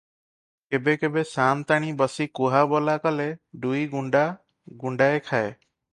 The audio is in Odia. କେବେ କେବେ ସାଆନ୍ତାଣୀ ବସି କୁହାବୋଲା କଲେ ଦୁଇଗୁଣ୍ତା ଗୁଣ୍ତାଏ ଖାଏ ।